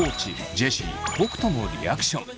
ジェシー北斗のリアクション。